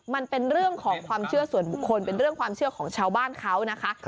มันเป็นเรื่องของความเชื่อส่วนบุคคลเป็นเรื่องความเชื่อของชาวบ้านเขานะคะ